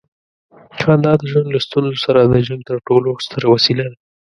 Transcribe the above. خندا د ژوند له ستونزو سره د جنګ تر ټولو ستره وسیله ده.